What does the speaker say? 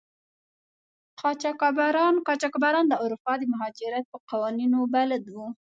قاچاقبران د اروپا د مهاجرت په قوانینو بلد وو.